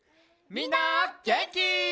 みんなげんき？